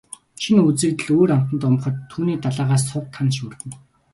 Шинэ үзэгдэл өөр амтанд умбахад түүний далайгаас сувд, тана шүүрдэнэ.